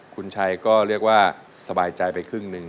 คุณชัยก็เรียกว่าสบายใจไปครึ่งหนึ่ง